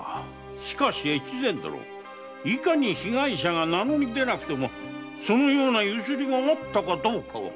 しかし越前殿いかに被害者が名乗りでなくても強請があったかどうかは。